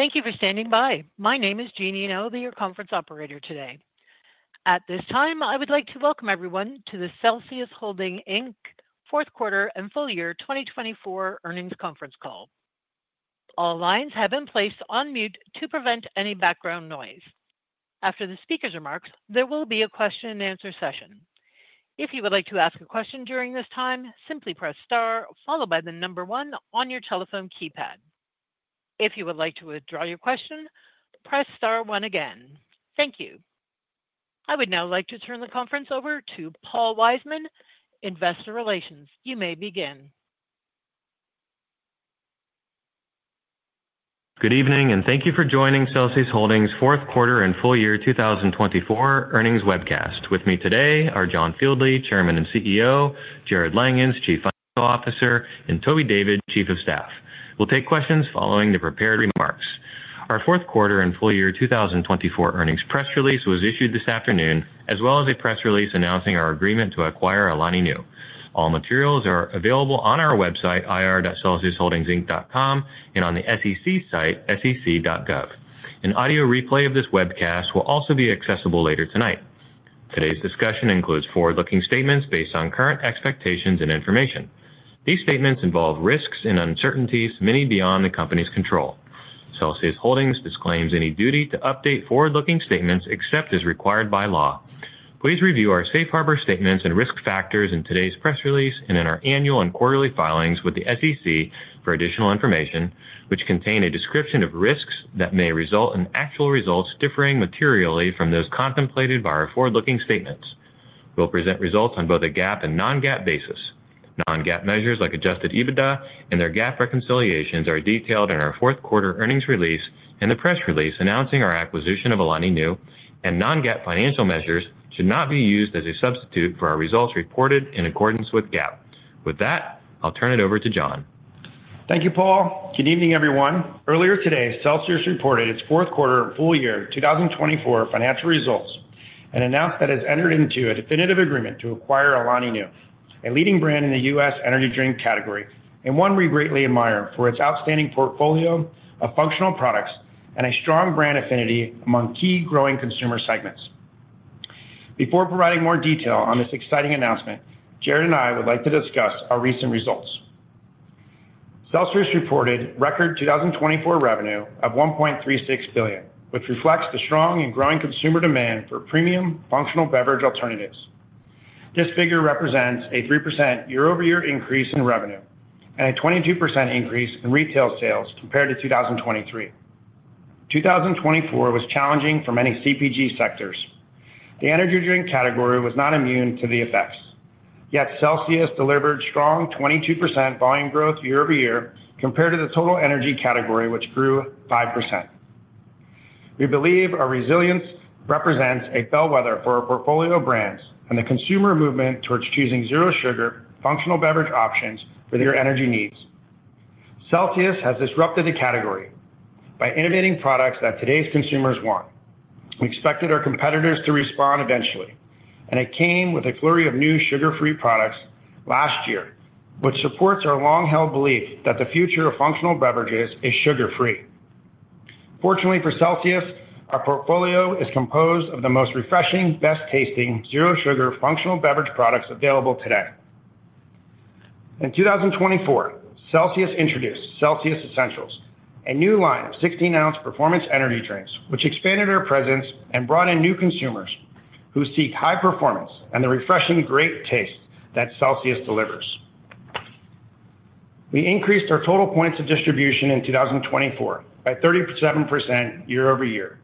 Thank you for standing by. My name is Jeannie and I will be your conference operator today. At this time, I would like to welcome everyone to the Celsius Holdings Inc. Fourth Quarter and Full-Year 2024 Earnings Conference Call. All lines have been placed on mute to prevent any background noise. After the speaker's remarks, there will be a question and answer session. If you would like to ask a question during this time, simply press star followed by the number one on your telephone keypad. If you would like to withdraw your question, press star one again. Thank you. I would now like to turn the conference over to Paul Wiseman, Investor Relations. You may begin. Good evening, and thank you for joining Celsius Holdings' Fourth Quarter and Full-Year 2024 Earnings Webcast. With me today are John Fieldly, Chairman and CEO; Jarrod Langhans, Chief Financial Officer; and Toby David, Chief of Staff. We'll take questions following the prepared remarks. Our Fourth Quarter and Full Year 2024 Earnings Press Release was issued this afternoon, as well as a press release announcing our agreement to acquire Alani Nu. All materials are available on our website, ir.celsiusholdingsinc.com, and on the SEC site, sec.gov. An audio replay of this webcast will also be accessible later tonight. Today's discussion includes forward-looking statements based on current expectations and information. These statements involve risks and uncertainties, many beyond the company's control. Celsius Holdings disclaims any duty to update forward-looking statements except as required by law. Please review our safe harbor statements and risk factors in today's press release and in our annual and quarterly filings with the SEC for additional information, which contain a description of risks that may result in actual results differing materially from those contemplated by our forward-looking statements. We'll present results on both a GAAP and non-GAAP basis. Non-GAAP measures like adjusted EBITDA and their GAAP reconciliations are detailed in our Fourth Quarter Earnings Release and the press release announcing our acquisition of Alani Nu, and non-GAAP financial measures should not be used as a substitute for our results reported in accordance with GAAP. With that, I'll turn it over to John. Thank you, Paul. Good evening, everyone. Earlier today, Celsius reported its Fourth Quarter and Full-Year 2024 financial results and announced that it has entered into a definitive agreement to acquire Alani Nu, a leading brand in the U.S. energy drink category and one we greatly admire for its outstanding portfolio of functional products and a strong brand affinity among key growing consumer segments. Before providing more detail on this exciting announcement, Jarrod and I would like to discuss our recent results. Celsius reported record 2024 revenue of $1.36 billion, which reflects the strong and growing consumer demand for premium functional beverage alternatives. This figure represents a 3% year-over-year increase in revenue and a 22% increase in retail sales compared to 2023. 2024 was challenging for many CPG sectors. The energy drink category was not immune to the effects. Yet, Celsius delivered strong 22% volume growth year-over-year compared to the total energy category, which grew 5%. We believe our resilience represents a bellwether for our portfolio of brands and the consumer movement towards choosing zero-sugar functional beverage options for their energy needs. Celsius has disrupted the category by innovating products that today's consumers want. We expected our competitors to respond eventually, and it came with a flurry of new sugar-free products last year, which supports our long-held belief that the future of functional beverages is sugar-free. Fortunately for Celsius, our portfolio is composed of the most refreshing, best-tasting, zero-sugar functional beverage products available today. In 2024, Celsius introduced Celsius Essentials, a new line of 16-ounce performance energy drinks, which expanded our presence and brought in new consumers who seek high performance and the refreshing great taste that Celsius delivers. We increased our total points of distribution in 2024 by 37% year-over-year,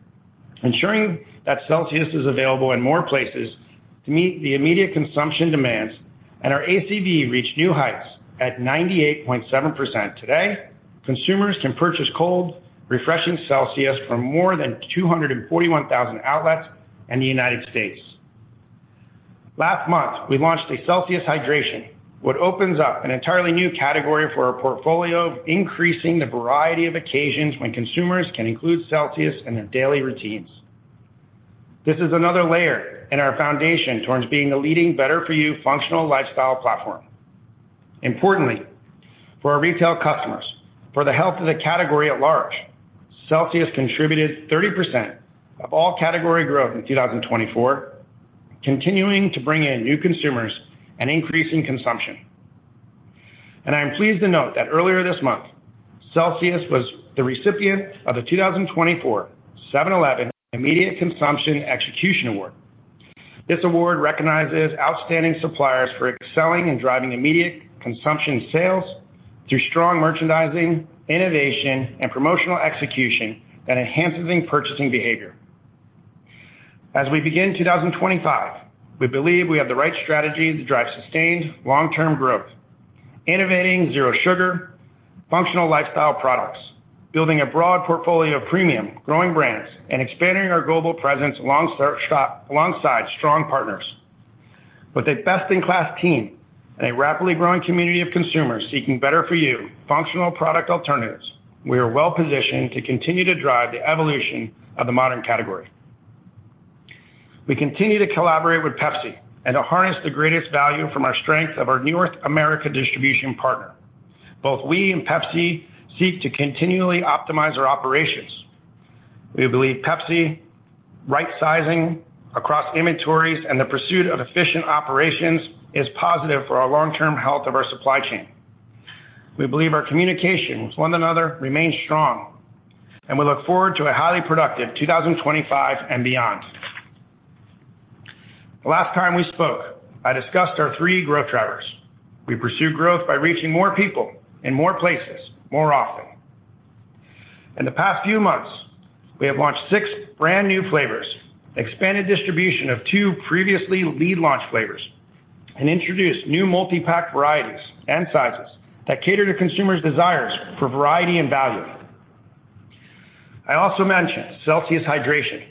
ensuring that Celsius is available in more places to meet the immediate consumption demands, and our ACV reached new heights at 98.7%. Today, consumers can purchase cold, refreshing Celsius from more than 241,000 outlets in the United States. Last month, we launched a Celsius Hydration, which opens up an entirely new category for our portfolio, increasing the variety of occasions when consumers can include Celsius in their daily routines. This is another layer in our foundation towards being the leading better-for-you functional lifestyle platform. Importantly, for our retail customers, for the health of the category at large, Celsius contributed 30% of all category growth in 2024, continuing to bring in new consumers and increasing consumption. I am pleased to note that earlier this month, Celsius was the recipient of the 2024 7-Eleven Immediate Consumption Execution Award. This award recognizes outstanding suppliers for excelling and driving immediate consumption sales through strong merchandising, innovation, and promotional execution that enhances purchasing behavior. As we begin 2025, we believe we have the right strategy to drive sustained long-term growth, innovating zero-sugar functional lifestyle products, building a broad portfolio of premium growing brands, and expanding our global presence alongside strong partners. With a best-in-class team and a rapidly growing community of consumers seeking better-for-you functional product alternatives, we are well-positioned to continue to drive the evolution of the modern category. We continue to collaborate with Pepsi and to harness the greatest value from our strengths of our North America distribution partner. Both we and Pepsi seek to continually optimize our operations. We believe Pepsi's right-sizing across inventories and the pursuit of efficient operations is positive for our long-term health of our supply chain. We believe our communication with one another remains strong, and we look forward to a highly productive 2025 and beyond. The last time we spoke, I discussed our three growth drivers. We pursue growth by reaching more people in more places more often. In the past few months, we have launched six brand-new flavors, expanded distribution of two previously launched flavors, and introduced new multi-pack varieties and sizes that cater to consumers' desires for variety and value. I also mentioned Celsius Hydration,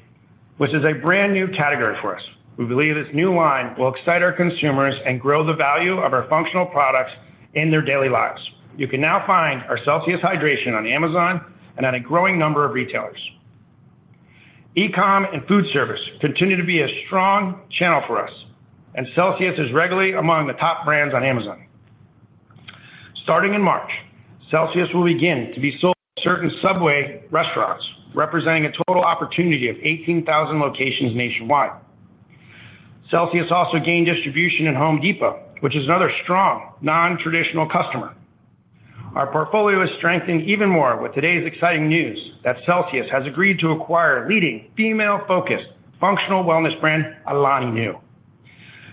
which is a brand-new category for us. We believe this new line will excite our consumers and grow the value of our functional products in their daily lives. You can now find our Celsius Hydration on Amazon and at a growing number of retailers. E-com and food service continue to be a strong channel for us, and Celsius is regularly among the top brands on Amazon. Starting in March, Celsius will begin to be sold at certain Subway restaurants, representing a total opportunity of 18,000 locations nationwide. Celsius also gained distribution in Home Depot, which is another strong non-traditional customer. Our portfolio is strengthened even more with today's exciting news that Celsius has agreed to acquire a leading female-focused functional wellness brand, Alani Nu.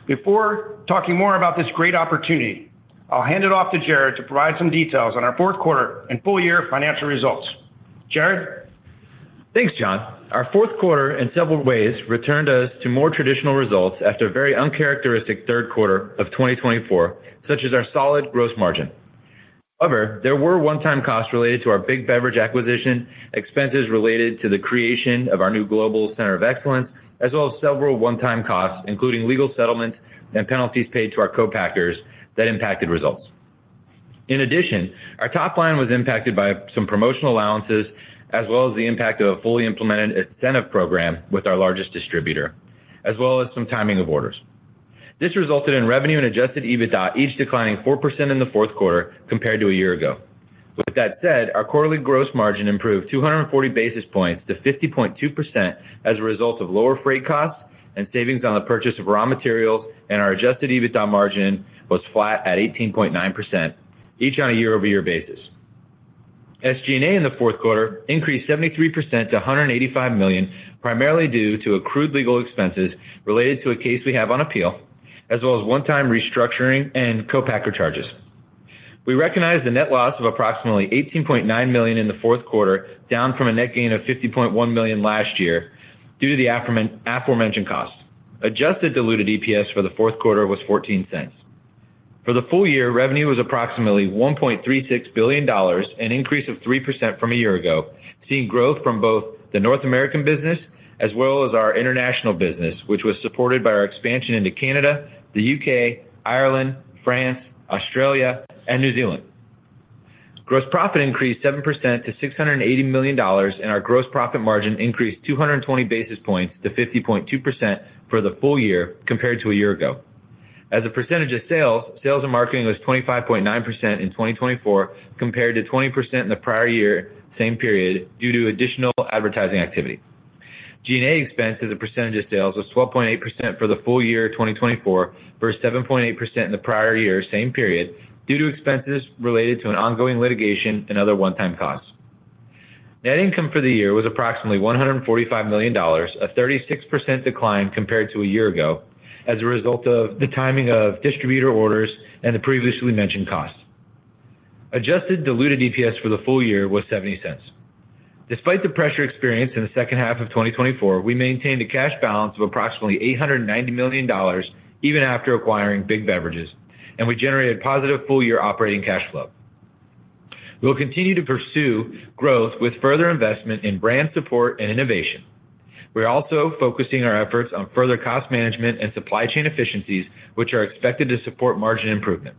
Before talking more about this great opportunity, I'll hand it off to Jarrod to provide some details on our fourth quarter and full year financial results. Jarrod? Thanks, John. Our fourth quarter, in several ways, returned us to more traditional results after a very uncharacteristic third quarter of 2024, such as our solid gross margin. However, there were one-time costs related to our Big Beverage acquisition, expenses related to the creation of our new global center of excellence, as well as several one-time costs, including legal settlements and penalties paid to our co-packers that impacted results. In addition, our top line was impacted by some promotional allowances, as well as the impact of a fully implemented incentive program with our largest distributor, as well as some timing of orders. This resulted in revenue and Adjusted EBITDA each declining 4% in the fourth quarter compared to a year ago. With that said, our quarterly gross margin improved 240 basis points to 50.2% as a result of lower freight costs and savings on the purchase of raw materials, and our adjusted EBITDA margin was flat at 18.9%, each on a year-over-year basis. SG&A in the Fourth Quarter increased 73% to $185 million, primarily due to accrued legal expenses related to a case we have on appeal, as well as one-time restructuring and co-packer charges. We recognize the net loss of approximately $18.9 million in the fourth quarter, down from a net gain of $50.1 million last year due to the aforementioned costs. Adjusted diluted EPS for the fourth quarter was $0.14. For the full year, revenue was approximately $1.36 billion, an increase of 3% from a year ago, seeing growth from both the North American business as well as our international business, which was supported by our expansion into Canada, the UK, Ireland, France, Australia, and New Zealand. Gross profit increased 7% to $680 million, and our gross profit margin increased 220 basis points to 50.2% for the full year compared to a year ago. As a percentage of sales, sales and marketing was 25.9% in 2024 compared to 20% in the prior year, same period, due to additional advertising activity. G&A expenses, a percentage of sales, was 12.8% for the full year 2024 versus 7.8% in the prior year, same period, due to expenses related to an ongoing litigation and other one-time costs. Net income for the year was approximately $145 million, a 36% decline compared to a year ago as a result of the timing of distributor orders and the previously mentioned costs. Adjusted diluted EPS for the full year was $0.70. Despite the pressure experienced in the second half of 2024, we maintained a cash balance of approximately $890 million even after acquiring Big Beverages, and we generated positive full-year operating cash flow. We'll continue to pursue growth with further investment in brand support and innovation. We're also focusing our efforts on further cost management and supply chain efficiencies, which are expected to support margin improvement.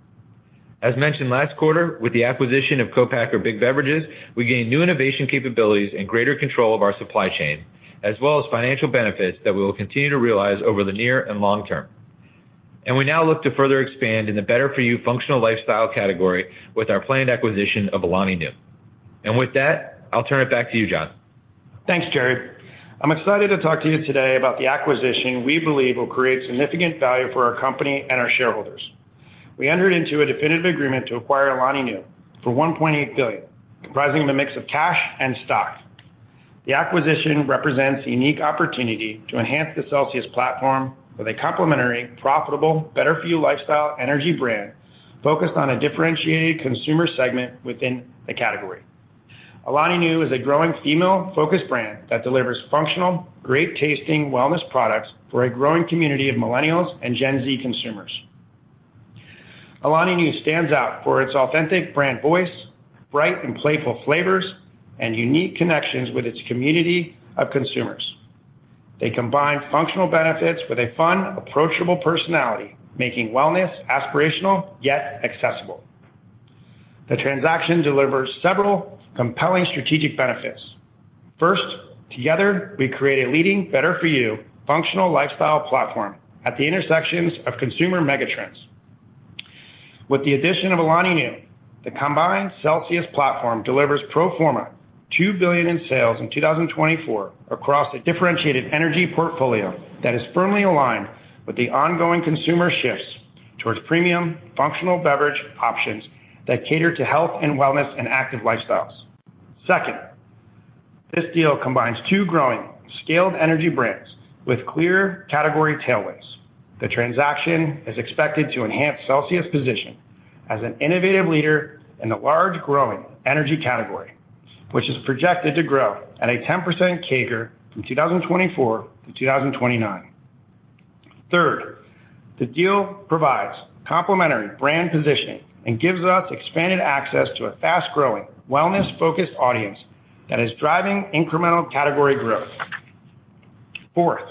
As mentioned last quarter, with the acquisition of co-packer Big Beverages, we gained new innovation capabilities and greater control of our supply chain, as well as financial benefits that we will continue to realize over the near and long term. And we now look to further expand in the better-for-you functional lifestyle category with our planned acquisition of Alani Nu. And with that, I'll turn it back to you, John. Thanks, Jarrod. I'm excited to talk to you today about the acquisition we believe will create significant value for our company and our shareholders. We entered into a definitive agreement to acquire Alani Nu for $1.8 billion, comprising of a mix of cash and stock. The acquisition represents a unique opportunity to enhance the Celsius platform with a complementary, profitable, better-for-you lifestyle energy brand focused on a differentiated consumer segment within the category. Alani Nu is a growing female-focused brand that delivers functional, great-tasting wellness products for a growing community of millennials and Gen Z consumers. Alani Nu stands out for its authentic brand voice, bright and playful flavors, and unique connections with its community of consumers. They combine functional benefits with a fun, approachable personality, making wellness aspirational yet accessible. The transaction delivers several compelling strategic benefits. First, together, we create a leading better-for-you functional lifestyle platform at the intersections of consumer megatrends. With the addition of Alani Nu, the combined Celsius platform delivers pro forma $2 billion in sales in 2024 across a differentiated energy portfolio that is firmly aligned with the ongoing consumer shifts towards premium functional beverage options that cater to health and wellness and active lifestyles. Second, this deal combines two growing, scaled energy brands with clear category tailwinds. The transaction is expected to enhance Celsius' position as an innovative leader in the large-growing energy category, which is projected to grow at a 10% CAGR from 2024-2029. Third, the deal provides complementary brand positioning and gives us expanded access to a fast-growing, wellness-focused audience that is driving incremental category growth. Fourth,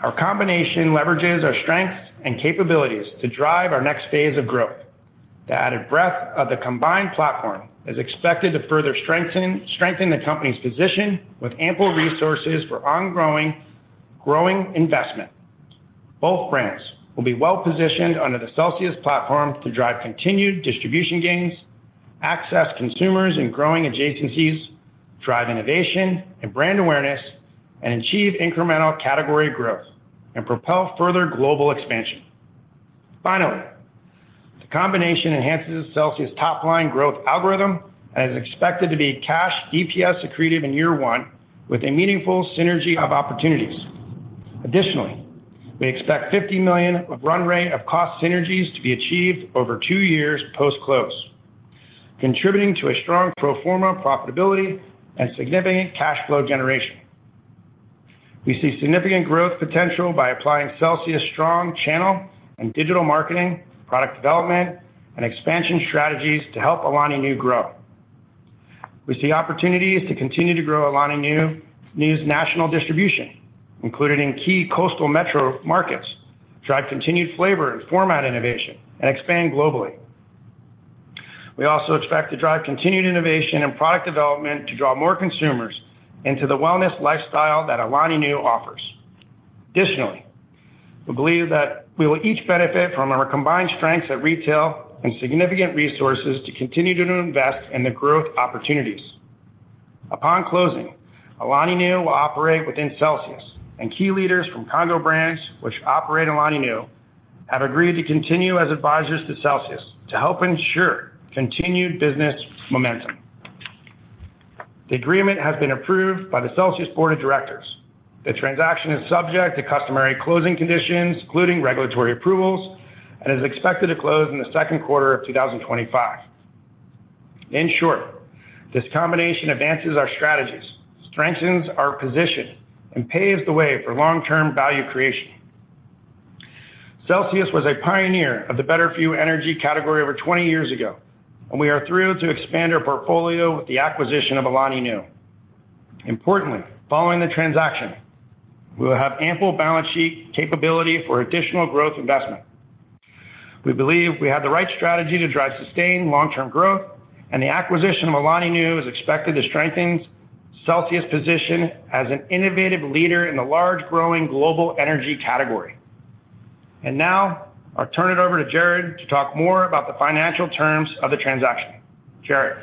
our combination leverages our strengths and capabilities to drive our next phase of growth. The added breadth of the combined platform is expected to further strengthen the company's position with ample resources for ongoing growing investment. Both brands will be well-positioned under the Celsius platform to drive continued distribution gains, access consumers in growing adjacencies, drive innovation and brand awareness, and achieve incremental category growth and propel further global expansion. Finally, the combination enhances Celsius' top-line growth algorithm and is expected to be cash EPS accretive in year one with a meaningful synergy of opportunities. Additionally, we expect $50 million of run rate of cost synergies to be achieved over two years post-close, contributing to a strong pro forma profitability and significant cash flow generation. We see significant growth potential by applying Celsius' strong channel and digital marketing, product development, and expansion strategies to help Alani Nu grow. We see opportunities to continue to grow Alani Nu's national distribution, including key coastal metro markets, drive continued flavor and format innovation, and expand globally. We also expect to drive continued innovation and product development to draw more consumers into the wellness lifestyle that Alani Nu offers. Additionally, we believe that we will each benefit from our combined strengths at retail and significant resources to continue to invest in the growth opportunities. Upon closing, Alani Nu will operate within Celsius, and key leaders from Congo Brands, which operate Alani Nu, have agreed to continue as advisors to Celsius to help ensure continued business momentum. The agreement has been approved by the Celsius Board of Directors. The transaction is subject to customary closing conditions, including regulatory approvals, and is expected to close in the second quarter of 2025. In short, this combination advances our strategies, strengthens our position, and paves the way for long-term value creation. Celsius was a pioneer of the better-for-you energy category over 20 years ago, and we are thrilled to expand our portfolio with the acquisition of Alani Nu. Importantly, following the transaction, we will have ample balance sheet capability for additional growth investment. We believe we have the right strategy to drive sustained long-term growth, and the acquisition of Alani Nu is expected to strengthen Celsius' position as an innovative leader in the large-growing global energy category. And now, I'll turn it over to Jarrod to talk more about the financial terms of the transaction. Jarrod.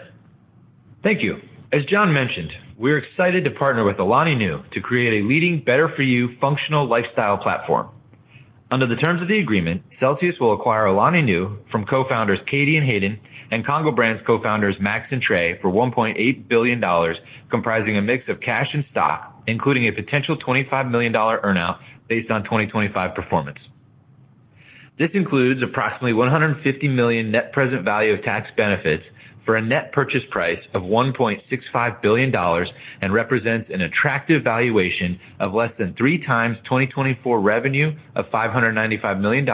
Thank you. As John mentioned, we're excited to partner with Alani Nu to create a leading better-for-you functional lifestyle platform. Under the terms of the agreement, Celsius will acquire Alani Nu from co-founders Katy and Haydn and Congo Brands co-founders Max and Trey for $1.8 billion, comprising a mix of cash and stock, including a potential $25 million earnout based on 2025 performance. This includes approximately $150 million net present value of tax benefits for a net purchase price of $1.65 billion and represents an attractive valuation of less than 3x 2024 revenue of $595 million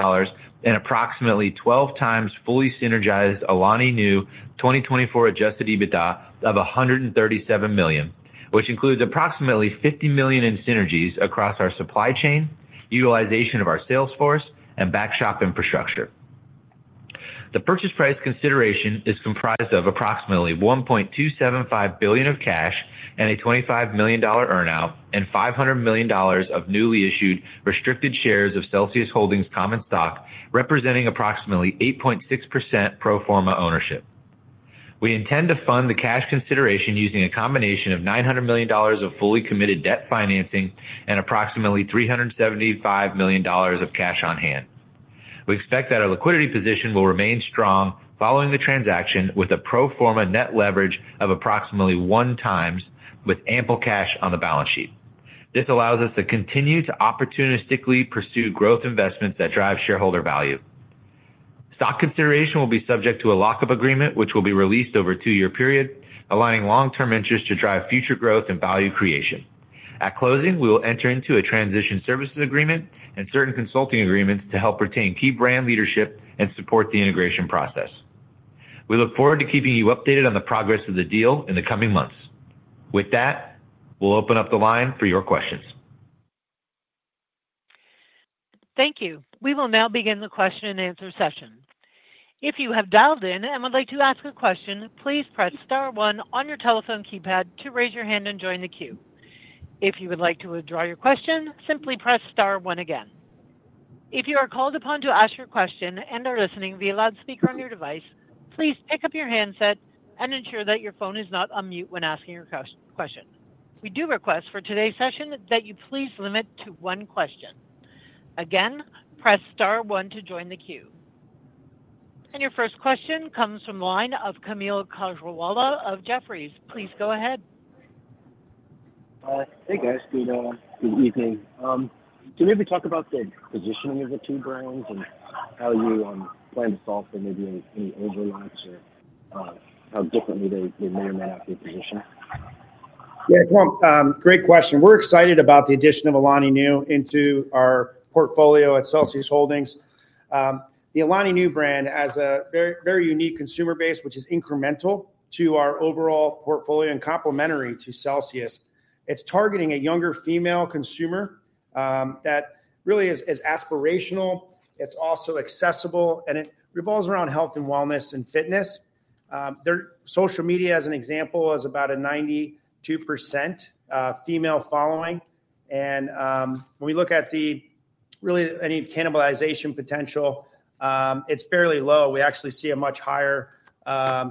and approximately 12x fully synergized Alani Nu 2024 Adjusted EBITDA of $137 million, which includes approximately $50 million in synergies across our supply chain, utilization of our sales force, and back shop infrastructure. The purchase price consideration is comprised of approximately $1.275 billion of cash and a $25 million earnout and $500 million of newly issued restricted shares of Celsius Holdings Common Stock, representing approximately 8.6% pro forma ownership. We intend to fund the cash consideration using a combination of $900 million of fully committed debt financing and approximately $375 million of cash on hand. We expect that our liquidity position will remain strong following the transaction with a pro forma net leverage of approximately 1x with ample cash on the balance sheet. This allows us to continue to opportunistically pursue growth investments that drive shareholder value. Stock consideration will be subject to a lock-up agreement, which will be released over a two-year period, aligning long-term interests to drive future growth and value creation. At closing, we will enter into a transition services agreement and certain consulting agreements to help retain key brand leadership and support the integration process. We look forward to keeping you updated on the progress of the deal in the coming months. With that, we'll open up the line for your questions. Thank you. We will now begin the question and answer session. If you have dialed in and would like to ask a question, please press star one on your telephone keypad to raise your hand and join the queue. If you would like to withdraw your question, simply press star one again. If you are called upon to ask your question and are listening via loudspeaker on your device, please pick up your handset and ensure that your phone is not on mute when asking your question. We do request for today's session that you please limit to one question. Again, press star one to join the queue. And your first question comes from the line of Kaumil Gajrawala of Jefferies. Please go ahead. Hey, guys. Good evening. Can we maybe talk about the positioning of the two brands and how you plan to solve for maybe any overlaps or how differently they may or may not be positioned? Yeah. Well, great question. We're excited about the addition of Alani Nu into our portfolio at Celsius Holdings. The Alani Nu brand has a very unique consumer base, which is incremental to our overall portfolio and complementary to Celsius. It's targeting a younger female consumer that really is aspirational. It's also accessible, and it revolves around health and wellness and fitness. Social media, as an example, has about a 92% female following. And when we look at the really any cannibalization potential, it's fairly low. We actually see a much higher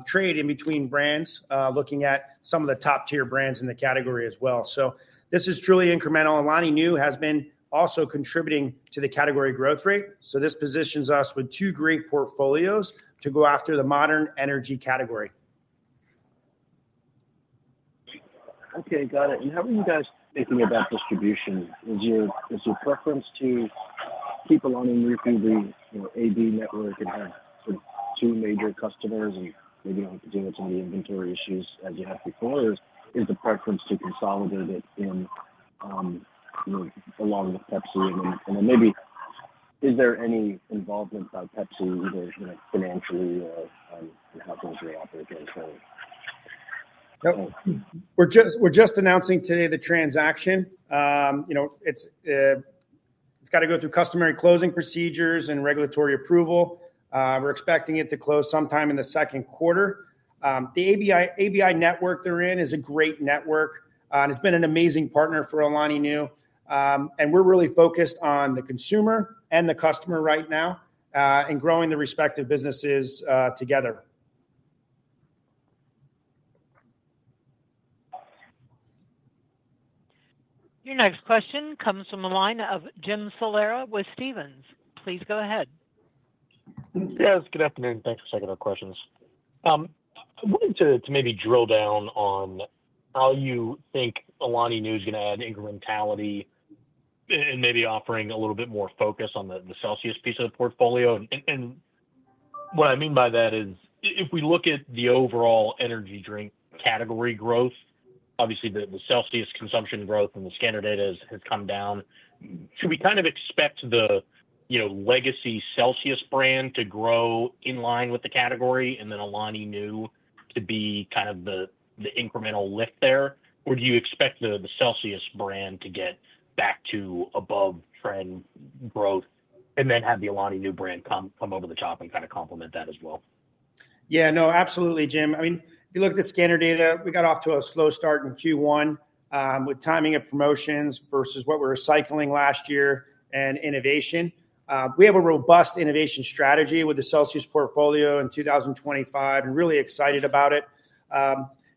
trade in between brands looking at some of the top-tier brands in the category as well. So this is truly incremental. Alani Nu has been also contributing to the category growth rate. So this positions us with two great portfolios to go after the modern energy category. Okay. Got it. And how are you guys thinking about distribution? Is your preference to keep Alani Nu through the ABI network and have sort of two major customers and maybe deal with some of the inventory issues as you had before? Or is the preference to consolidate it along with Pepsi? And then maybe, is there any involvement by Pepsi either financially or in how things will operate going forward? We're just announcing today the transaction. It's got to go through customary closing procedures and regulatory approval. We're expecting it to close sometime in the second quarter. The ABI network they're in is a great network, and it's been an amazing partner for Alani Nu, and we're really focused on the consumer and the customer right now and growing the respective businesses together. Your next question comes from the line of Jim Salera with Stephens. Please go ahead. Yes. Good afternoon. Thanks for taking our questions. I wanted to maybe drill down on how you think Alani Nu is going to add incrementality and maybe offering a little bit more focus on the Celsius piece of the portfolio. And what I mean by that is, if we look at the overall energy drink category growth, obviously, the Celsius consumption growth and the scanner data has come down. Should we kind of expect the legacy Celsius brand to grow in line with the category and then Alani Nu to be kind of the incremental lift there? Or do you expect the Celsius brand to get back to above-trend growth and then have the Alani Nu brand come over the top and kind of complement that as well? Yeah. No, absolutely, Jim. I mean, if you look at the scanner data, we got off to a slow start in Q1 with timing of promotions versus what we were cycling last year and innovation. We have a robust innovation strategy with the Celsius portfolio in 2025 and really excited about it.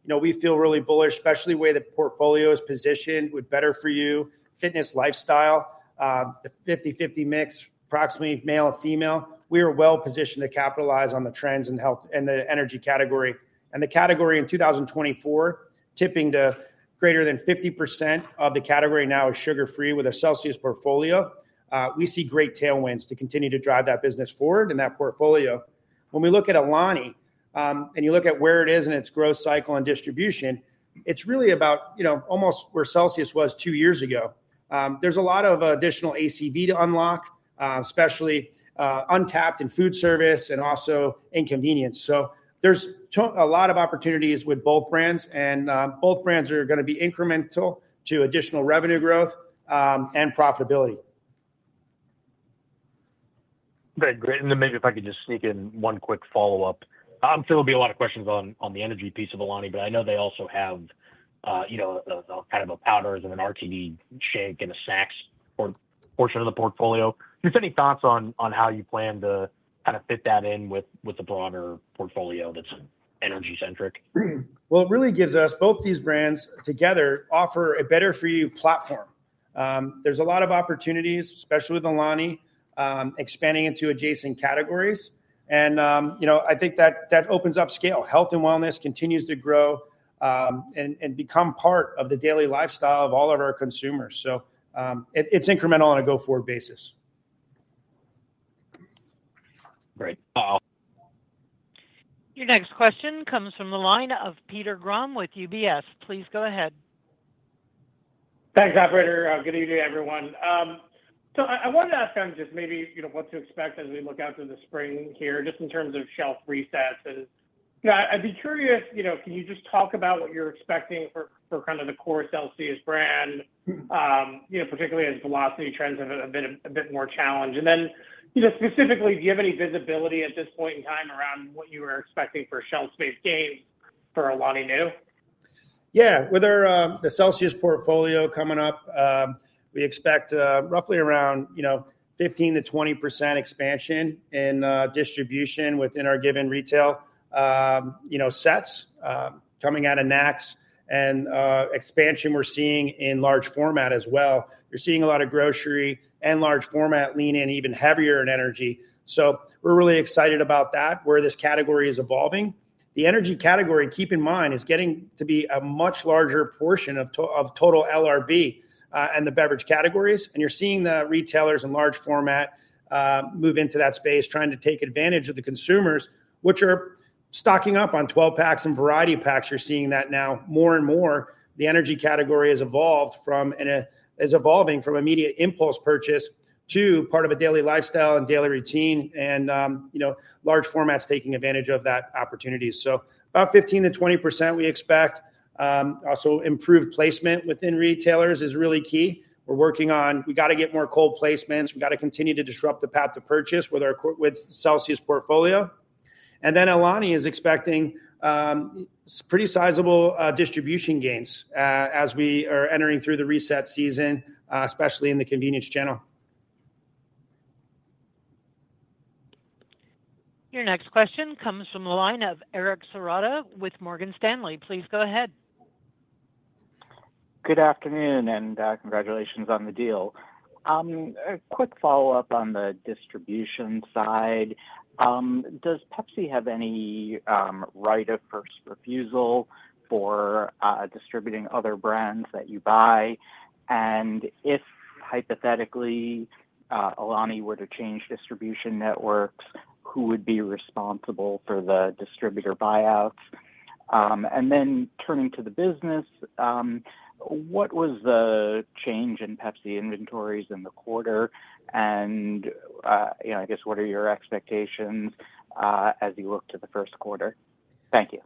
We feel really bullish, especially the way the portfolio is positioned with better-for-you fitness lifestyle, the 50/50 mix, approximately male and female. We are well-positioned to capitalize on the trends in the energy category. The category in 2024, tipping to greater than 50% of the category now is sugar-free with a Celsius portfolio. We see great tailwinds to continue to drive that business forward in that portfolio. When we look at Alani, and you look at where it is in its growth cycle and distribution, it's really about almost where Celsius was two years ago. There's a lot of additional ACV to unlock, especially untapped in food service and also in convenience, so there's a lot of opportunities with both brands, and both brands are going to be incremental to additional revenue growth and profitability. Okay. Great. And then maybe if I could just sneak in one quick follow-up. I'm sure there'll be a lot of questions on the energy piece of Alani, but I know they also have kind of a powders and an RTD shake and a snacks portion of the portfolio. Just any thoughts on how you plan to kind of fit that in with the broader portfolio that's energy-centric? It really gives us both these brands together offer a better-for-you platform. There's a lot of opportunities, especially with Alani, expanding into adjacent categories, and I think that opens up scale. Health and wellness continues to grow and become part of the daily lifestyle of all of our consumers. It's incremental on a go-forward basis. Great. Your next question comes from the line of Peter Grom with UBS. Please go ahead. Thanks, operator. Good evening, everyone. So I wanted to ask just maybe what to expect as we look out to the spring here just in terms of shelf resets. And I'd be curious, can you just talk about what you're expecting for kind of the core Celsius brand, particularly as velocity trends have been a bit more challenged? And then specifically, do you have any visibility at this point in time around what you are expecting for shelf space gains for Alani Nu? Yeah. With the Celsius portfolio coming up, we expect roughly around 15%-20% expansion in distribution within our given retail sets coming out of NACS and expansion we're seeing in large format as well. You're seeing a lot of grocery and large format lean in even heavier in energy. So we're really excited about that, where this category is evolving. The energy category, keep in mind, is getting to be a much larger portion of total LRB and the beverage categories. And you're seeing the retailers in large format move into that space, trying to take advantage of the consumers, which are stocking up on 12-packs and variety packs. You're seeing that now more and more. The energy category has evolved from immediate impulse purchase to part of a daily lifestyle and daily routine, and large format's taking advantage of that opportunity. So about 15%-20% we expect. Also, improved placement within retailers is really key. We're working on, we got to get more cold placements. We got to continue to disrupt the path to purchase with our Celsius portfolio. And then Alani is expecting pretty sizable distribution gains as we are entering through the reset season, especially in the convenience channel. Your next question comes from the line of Eric Serotta with Morgan Stanley. Please go ahead. Good afternoon, and congratulations on the deal. A quick follow-up on the distribution side. Does Pepsi have any right of first refusal for distributing other brands that you buy? And if hypothetically Alani were to change distribution networks, who would be responsible for the distributor buyouts? And then turning to the business, what was the change in Pepsi inventories in the quarter? And I guess, what are your expectations as you look to the first quarter? Thank you.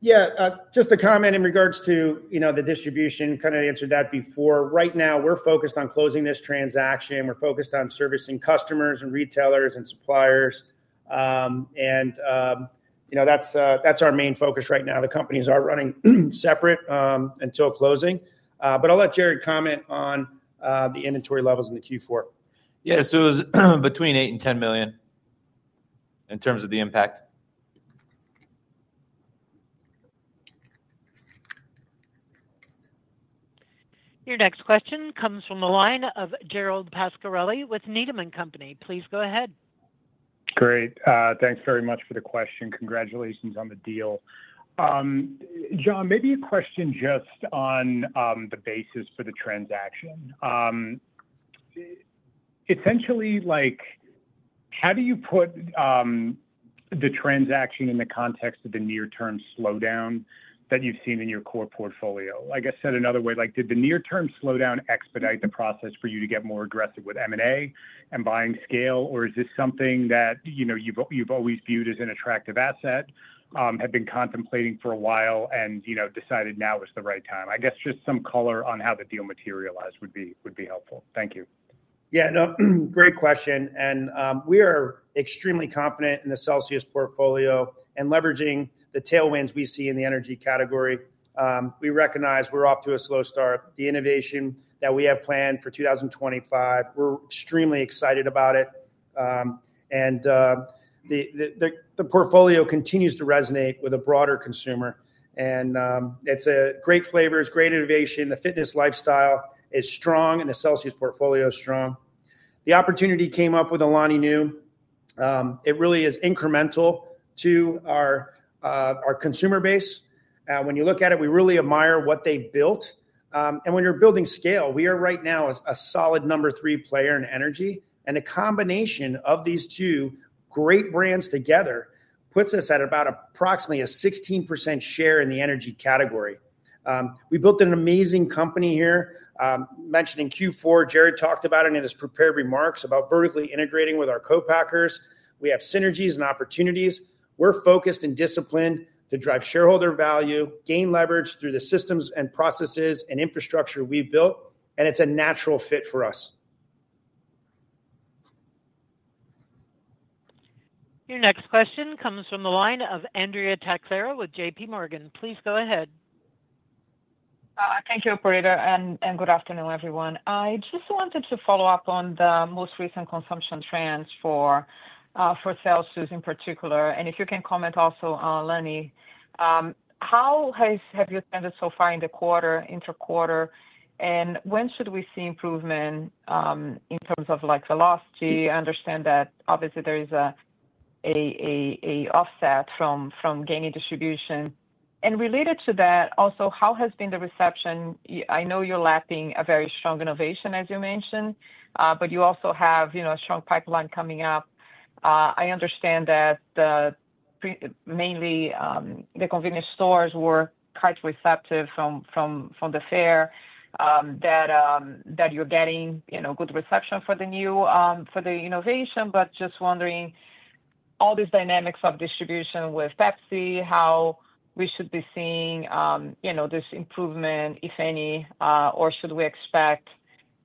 Yeah. Just a comment in regards to the distribution, kind of answered that before. Right now, we're focused on closing this transaction. We're focused on servicing customers and retailers and suppliers. And that's our main focus right now. The companies are running separate until closing. But I'll let Jarrod comment on the inventory levels in the Q4. Yeah, so it was between $8 million and $10 million in terms of the impact. Your next question comes from the line of Gerald Pascarelli with Needham & Company. Please go ahead. Great. Thanks very much for the question. Congratulations on the deal. John, maybe a question just on the basis for the transaction. Essentially, how do you put the transaction in the context of the near-term slowdown that you've seen in your core portfolio? Like I said another way, did the near-term slowdown expedite the process for you to get more aggressive with M&A and buying scale? Or is this something that you've always viewed as an attractive asset, have been contemplating for a while, and decided now is the right time? I guess just some color on how the deal materialized would be helpful. Thank you. Yeah. No, great question. And we are extremely confident in the Celsius portfolio and leveraging the tailwinds we see in the energy category. We recognize we're off to a slow start. The innovation that we have planned for 2025, we're extremely excited about it. And the portfolio continues to resonate with a broader consumer. And it's great flavors, great innovation. The fitness lifestyle is strong, and the Celsius portfolio is strong. The opportunity came up with Alani Nu. It really is incremental to our consumer base. When you look at it, we really admire what they've built. And when you're building scale, we are right now a solid number three player in energy. And a combination of these two great brands together puts us at about approximately a 16% share in the energy category. We built an amazing company here. Mentioning Q4, Jarrod talked about it in his prepared remarks about vertically integrating with our co-packers. We have synergies and opportunities. We're focused and disciplined to drive shareholder value, gain leverage through the systems and processes and infrastructure we've built, and it's a natural fit for us. Your next question comes from the line of Andrea Teixeira with J.P. Morgan. Please go ahead. Thank you, operator. Good afternoon, everyone. I just wanted to follow up on the most recent consumption trends for Celsius in particular. If you can comment also on Alani, how have you seen it so far in the quarter, intra-quarter? When should we see improvement in terms of velocity? I understand that obviously there is an offset from gaining distribution. Related to that, also, how has been the reception? I know you're launching a very strong innovation, as you mentioned, but you also have a strong pipeline coming up. I understand that mainly the convenience stores were quite receptive from the feedback that you're getting good reception for the new innovation. Just wondering, all these dynamics of distribution with Pepsi, how we should be seeing this improvement, if any, or should we expect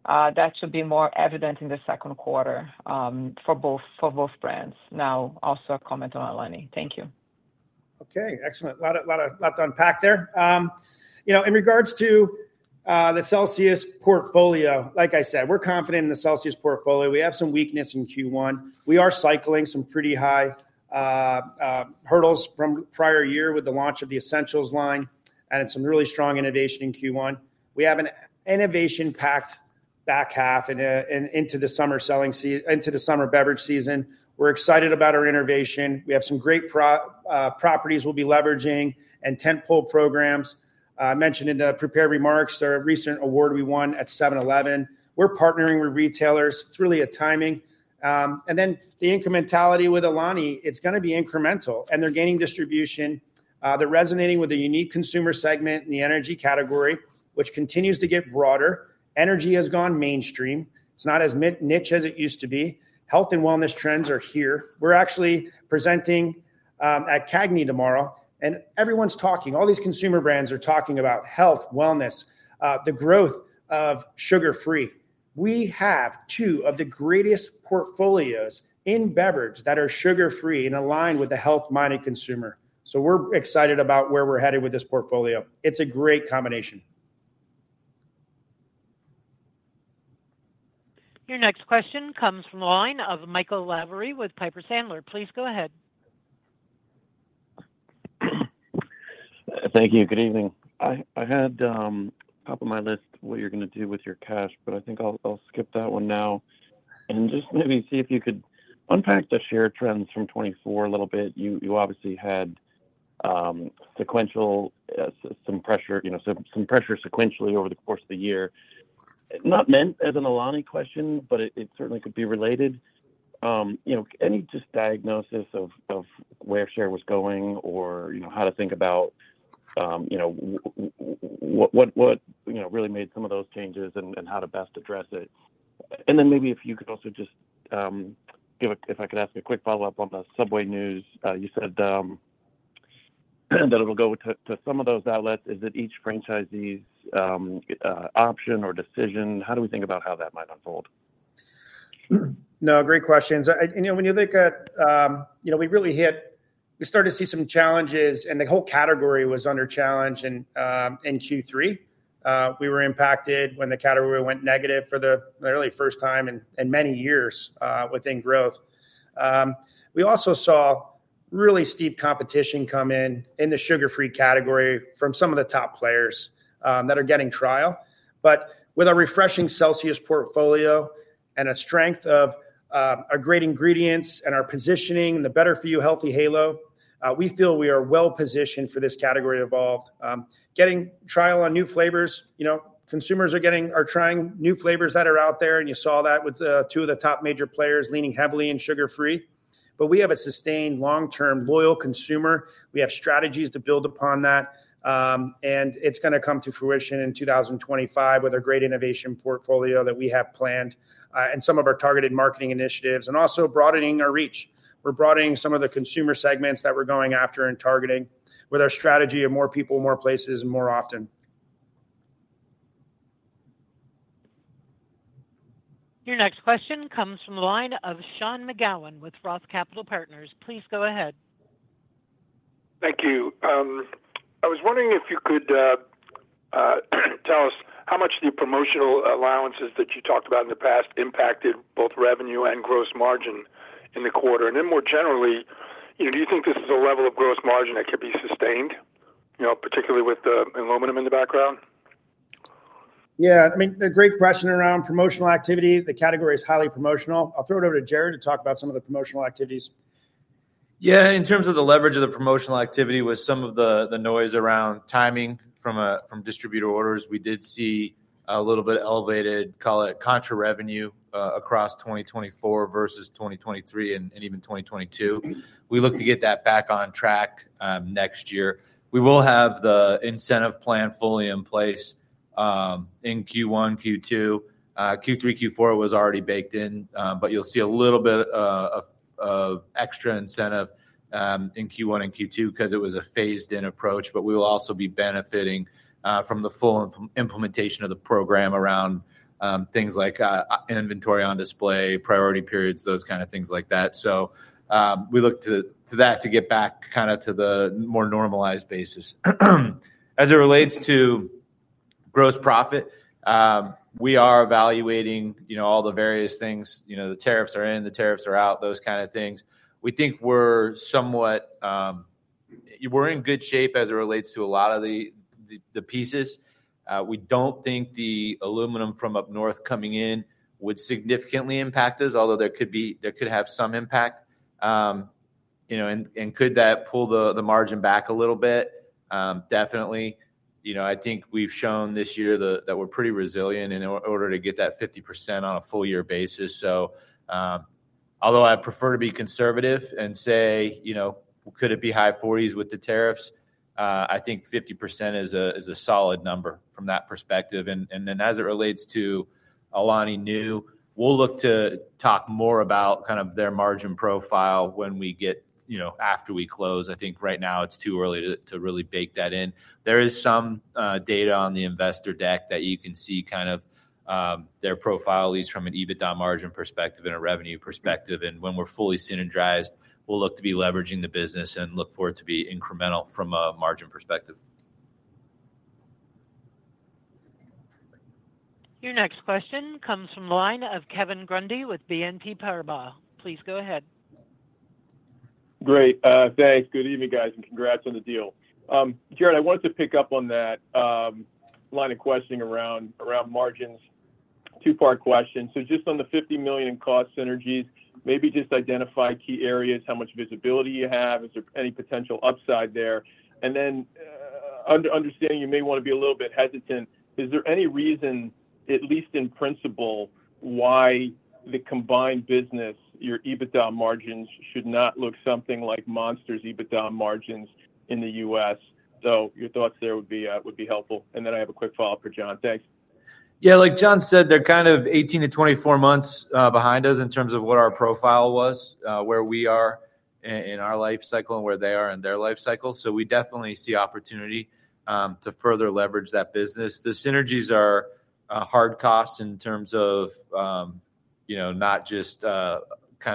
that to be more evident in the second quarter for both brands? Now, also a comment on Alani. Thank you. Okay. Excellent. A lot to unpack there. In regards to the Celsius portfolio, like I said, we're confident in the Celsius portfolio. We have some weakness in Q1. We are cycling some pretty high hurdles from prior year with the launch of the essentials line and some really strong innovation in Q1. We have an innovation-packed back half into the summer beverage season. We're excited about our innovation. We have some great properties we'll be leveraging and tentpole programs. I mentioned in the prepared remarks our recent award we won at 7-Eleven. We're partnering with retailers. It's really a timing. And then the incrementality with Alani, it's going to be incremental. And they're gaining distribution. They're resonating with a unique consumer segment in the energy category, which continues to get broader. Energy has gone mainstream. It's not as niche as it used to be. Health and wellness trends are here. We're actually presenting at CAGNY tomorrow, and everyone's talking. All these consumer brands are talking about health, wellness, the growth of sugar-free. We have two of the greatest portfolios in beverage that are sugar-free and aligned with the health-minded consumer. So we're excited about where we're headed with this portfolio. It's a great combination. Your next question comes from the line of Michael Lavery with Piper Sandler. Please go ahead. Thank you. Good evening. I had top of my list what you're going to do with your cash, but I think I'll skip that one now. And just maybe see if you could unpack the share trends from 2024 a little bit. You obviously had some pressure sequentially over the course of the year. Not meant as an Alani question, but it certainly could be related. Any just diagnosis of where share was going or how to think about what really made some of those changes and how to best address it? And then maybe if you could also just give a—if I could ask a quick follow-up on the Subway news, you said that it'll go to some of those outlets. Is it each franchisee's option or decision? How do we think about how that might unfold? No, great questions. When you look at, we started to see some challenges, and the whole category was under challenge in Q3. We were impacted when the category went negative for the very first time in many years of growth. We also saw really steep competition come in the sugar-free category from some of the top players that are getting trial, but with a refreshing Celsius portfolio and a strength of our great ingredients and our positioning and the better-for-you healthy halo, we feel we are well-positioned as this category evolves. Getting trial on new flavors. Consumers are trying new flavors that are out there. You saw that with two of the top major players leaning heavily into sugar-free, but we have a sustained long-term loyal consumer. We have strategies to build upon that. It's going to come to fruition in 2025 with a great innovation portfolio that we have planned and some of our targeted marketing initiatives and also broadening our reach. We're broadening some of the consumer segments that we're going after and targeting with our strategy of more people, more places, and more often. Your next question comes from the line of Sean McGowan with Roth Capital Partners. Please go ahead. Thank you. I was wondering if you could tell us how much the promotional allowances that you talked about in the past impacted both revenue and gross margin in the quarter, and then more generally, do you think this is a level of gross margin that could be sustained, particularly with the aluminum in the background? Yeah. I mean, a great question around promotional activity. The category is highly promotional. I'll throw it over to Jarrod to talk about some of the promotional activities. Yeah. In terms of the leverage of the promotional activity with some of the noise around timing from distributor orders, we did see a little bit elevated, call it, contra revenue across 2024 versus 2023 and even 2022. We look to get that back on track next year. We will have the incentive plan fully in place in Q1, Q2. Q3, Q4 was already baked in, but you'll see a little bit of extra incentive in Q1 and Q2 because it was a phased-in approach. But we will also be benefiting from the full implementation of the program around things like inventory on display, priority periods, those kind of things like that. So we look to that to get back kind of to the more normalized basis. As it relates to gross profit, we are evaluating all the various things. The tariffs are in, the tariffs are out, those kind of things. We think we're somewhat, we're in good shape as it relates to a lot of the pieces. We don't think the aluminum from up north coming in would significantly impact us, although there could have some impact, and could that pull the margin back a little bit? Definitely. I think we've shown this year that we're pretty resilient in order to get that 50% on a full-year basis. So although I prefer to be conservative and say, could it be high 40s with the tariffs, I think 50% is a solid number from that perspective, and then as it relates to Alani Nu, we'll look to talk more about kind of their margin profile when we get after we close. I think right now it's too early to really bake that in. There is some data on the investor deck that you can see kind of their profile leads from an EBITDA margin perspective and a revenue perspective, and when we're fully synergized, we'll look to be leveraging the business and look forward to be incremental from a margin perspective. Your next question comes from the line of Kevin Grundy with BNP Paribas. Please go ahead. Great. Thanks. Good evening, guys, and congrats on the deal. Jarrod, I wanted to pick up on that line of questioning around margins. Two-part question. So just on the $50 million and cost synergies, maybe just identify key areas, how much visibility you have, is there any potential upside there? And then understanding you may want to be a little bit hesitant, is there any reason, at least in principle, why the combined business, your EBITDA margins should not look something like Monster's EBITDA margins in the U.S.? So your thoughts there would be helpful. And then I have a quick follow-up for John. Thanks. Yeah. Like John said, they're kind of 18-24 months behind us in terms of what our profile was, where we are in our life cycle and where they are in their life cycle. So we definitely see opportunity to further leverage that business. The synergies are hard costs in terms of not just kind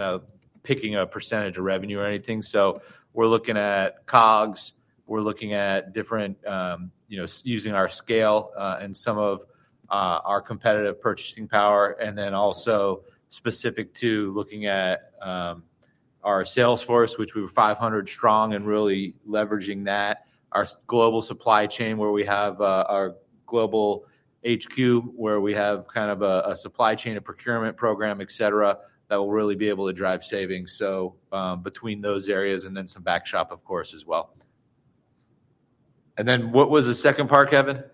of picking a percentage of revenue or anything. So we're looking at COGS. We're looking at different using our scale and some of our competitive purchasing power. And then also specific to looking at our sales force, which we were 500 strong and really leveraging that. Our global supply chain where we have our global HQ where we have kind of a supply chain, a procurement program, et cetera, that will really be able to drive savings. So between those areas and then some back shop, of course, as well. And then what was the second part, Kevin?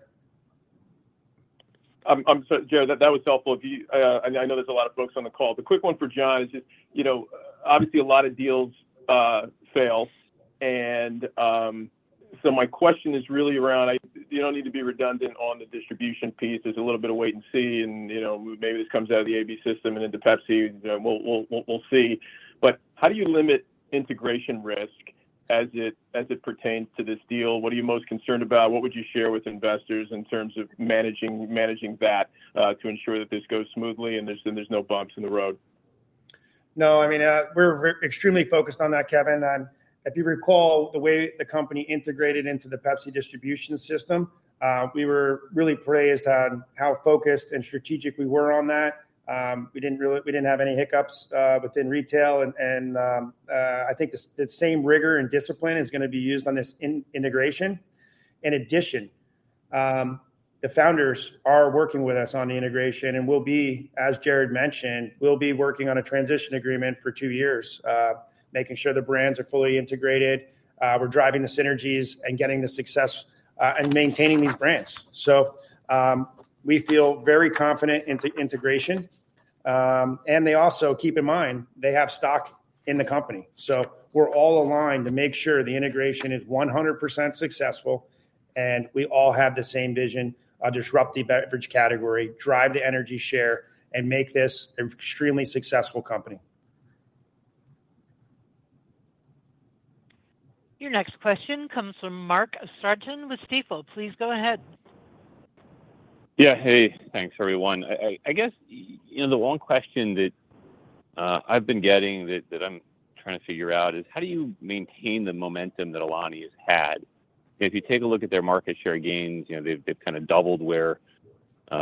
I'm sorry, Jarrod, that was helpful. I know there's a lot of folks on the call. The quick one for John is just obviously a lot of deals fail. And so my question is really around, you don't need to be redundant on the distribution piece. There's a little bit of wait and see. And maybe this comes out of the ABI system and into Pepsi. We'll see. But how do you limit integration risk as it pertains to this deal? What are you most concerned about? What would you share with investors in terms of managing that to ensure that this goes smoothly and there's no bumps in the road? No, I mean, we're extremely focused on that, Kevin. If you recall the way the company integrated into the Pepsi distribution system, we were really praised on how focused and strategic we were on that. We didn't have any hiccups within retail. And I think the same rigor and discipline is going to be used on this integration. In addition, the founders are working with us on the integration. And as Jarrod mentioned, we'll be working on a transition agreement for two years, making sure the brands are fully integrated. We're driving the synergies and getting the success and maintaining these brands. So we feel very confident in the integration. And they also keep in mind they have stock in the company. So we're all aligned to make sure the integration is 100% successful. We all have the same vision of disrupt the beverage category, drive the energy share, and make this an extremely successful company. Your next question comes from Mark Astrachan with Stifel. Please go ahead. Yeah. Hey, thanks, everyone. I guess the one question that I've been getting that I'm trying to figure out is how do you maintain the momentum that Alani has had? If you take a look at their market share gains, they've kind of doubled where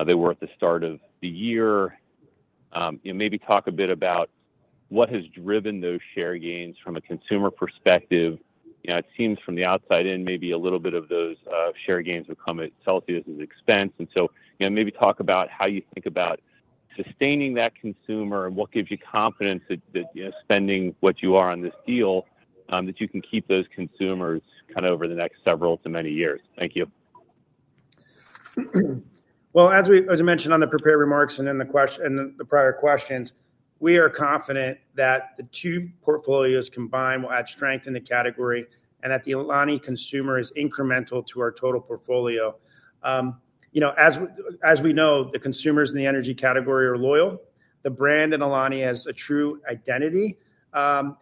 they were at the start of the year. Maybe talk a bit about what has driven those share gains from a consumer perspective. It seems from the outside in, maybe a little bit of those share gains will come at Celsius's expense. And so maybe talk about how you think about sustaining that consumer and what gives you confidence that spending what you are on this deal, that you can keep those consumers kind of over the next several to many years. Thank you. As I mentioned on the prepared remarks and in the prior questions, we are confident that the two portfolios combined will add strength in the category and that the Alani consumer is incremental to our total portfolio. As we know, the consumers in the energy category are loyal. The brand and Alani has a true identity. And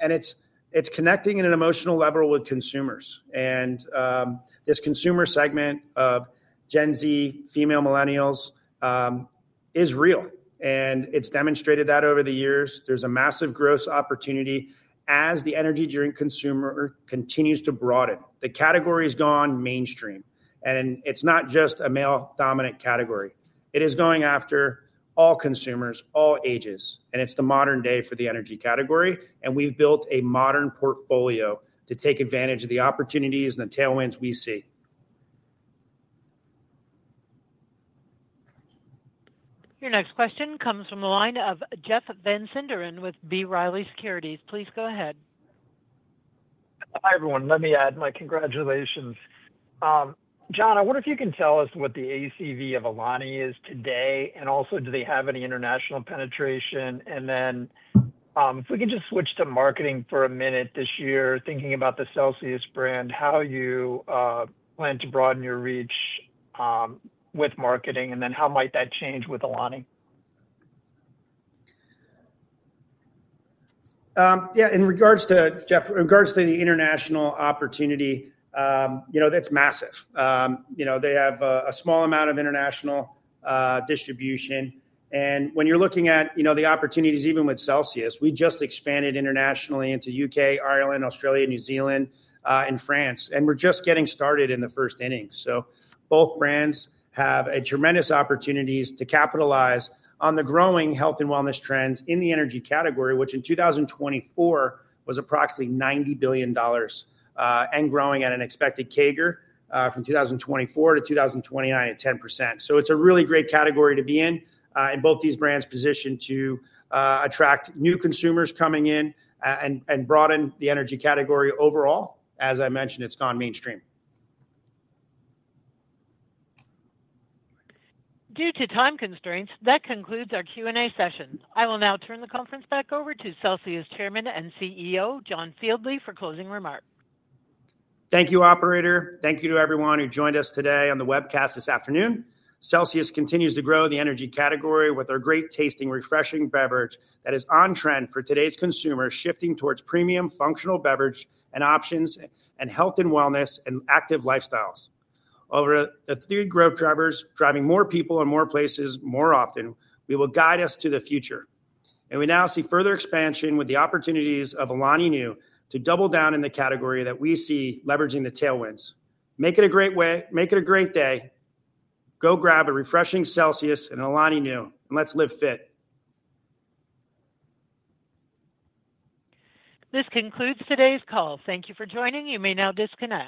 it's connecting at an emotional level with consumers. And this consumer segment of Gen Z, female millennials is real. And it's demonstrated that over the years. There's a massive growth opportunity as the energy drink consumer continues to broaden. The category is gone mainstream. And it's not just a male-dominant category. It is going after all consumers, all ages. And it's the modern day for the energy category. And we've built a modern portfolio to take advantage of the opportunities and the tailwinds we see. Your next question comes from the line of Jeff Van Sinderen with B. Riley Securities. Please go ahead. Hi, everyone. Let me add my congratulations. John, I wonder if you can tell us what the ACV of Alani is today and also do they have any international penetration, and then if we can just switch to marketing for a minute this year, thinking about the Celsius brand, how you plan to broaden your reach with marketing, and then how might that change with Alani? Yeah. In regards to Jeff, in regards to the international opportunity, it's massive. They have a small amount of international distribution. And when you're looking at the opportunities, even with Celsius, we just expanded internationally into the U.K., Ireland, Australia, New Zealand, and France. And we're just getting started in the first innings. So both brands have tremendous opportunities to capitalize on the growing health and wellness trends in the energy category, which in 2024 was approximately $90 billion and growing at an expected CAGR from 2024-2029 at 10%. So it's a really great category to be in and both these brands positioned to attract new consumers coming in and broaden the energy category overall. As I mentioned, it's gone mainstream. Due to time constraints, that concludes our Q&A session. I will now turn the conference back over to Celsius Chairman and CEO, John Fieldly, for closing remarks. Thank you, Operator. Thank you to everyone who joined us today on the webcast this afternoon. Celsius continues to grow the energy category with our great tasting refreshing beverage that is on trend for today's consumers, shifting towards premium functional beverage and options and health and wellness and active lifestyles. Over the three growth drivers, driving more people in more places more often, we will guide us to the future. And we now see further expansion with the opportunities of Alani Nu to double down in the category that we see leveraging the tailwinds. Make it a great way. Make it a great day. Go grab a refreshing Celsius and Alani Nu, and let's Live Fit. This concludes today's call. Thank you for joining. You may now disconnect.